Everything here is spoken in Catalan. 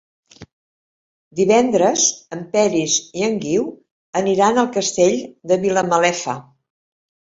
Divendres en Peris i en Guiu aniran al Castell de Vilamalefa.